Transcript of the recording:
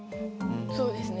そうですね。